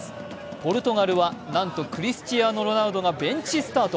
ポルトガルはなんとクリスチアーノ・ロナウドがベンチスタート。